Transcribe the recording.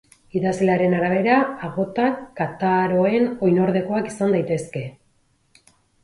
Idazlearen arabera, agotak kataroen oinordekoak izan daitezke.